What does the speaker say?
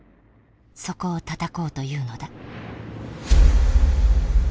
そこを叩こうというのだ。